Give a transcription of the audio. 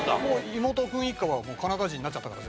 妹君一家はカナダ人になっちゃったから。